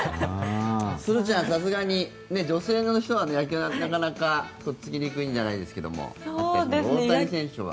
すずちゃん、さすがに女性の人は野球はなかなかとっつきにくいじゃないですけど大谷選手は？